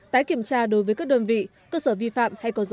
tái kiểm tra đối với các đơn vị cơ sở vi phạm hay có dấu hiệu